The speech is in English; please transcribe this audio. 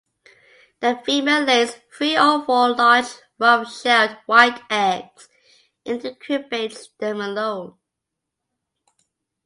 The female lays three or four large rough-shelled white eggs and incubates them alone.